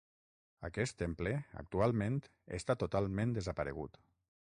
Aquest temple actualment està totalment desaparegut.